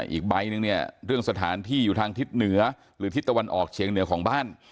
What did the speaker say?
อีกใบหนึ่งเนี่ยเรื่องสถานที่อยู่ทางทิศเหนือหรือทิศตะวันออกเชียงเหนือของบ้าน